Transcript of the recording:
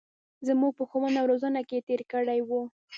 زمـوږ په ښـوونه او روزنـه کـې تېـر کـړى و.